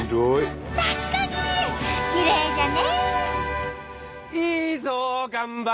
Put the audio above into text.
確かにきれいじゃね！